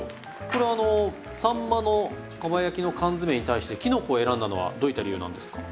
これはあのさんまのかば焼きの缶詰に対してきのこを選んだのはどういった理由なんですか？